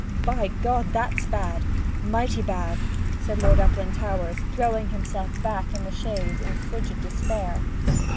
'By G that's bad mighty bad!' said Lord Uplandtowers, throwing himself back in the chaise in frigid despair.